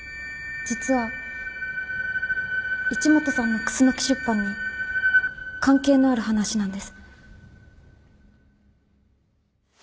実は一本さんのクスノキ出版に関係のある話なんです。